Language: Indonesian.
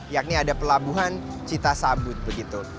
yakni ada pelabuhan citasabut begitu